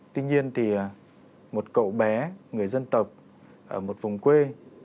tuy nhiên thì một cậu bé người dân tộc ở một vùng quê